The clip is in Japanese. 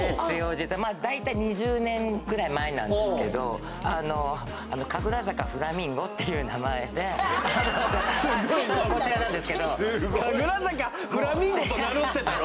実は大体２０年ぐらい前なんですけどっていう名前ですごいそうこちらなんですけど神楽坂フラミンゴと名乗ってたの？